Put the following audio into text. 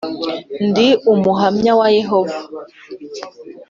ndi Umuhamya wa Yehova